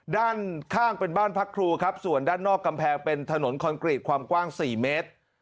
ด้านข้างเป็นบ้านพักครูครับส่วนด้านนอกกำแพงเป็นถนนคอนกรีตความกว้าง๔เมตร